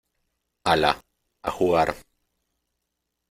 hala, a jugar.